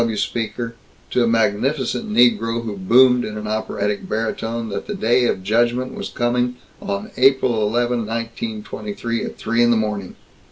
W. speaker, to a magnificent negro who boomed in an operatic baritone that the Day of Judgment was coming on April 11, 1923, at three in the morning.